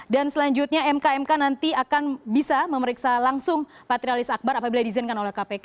dan selanjutnya mk mk nanti akan bisa memeriksa langsung patrialis akbar apabila dizinkan oleh kpk